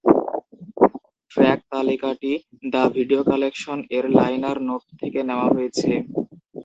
Track তালিকাটি "the video collection" এর liner note থেকে নেওয়া হয়েছে।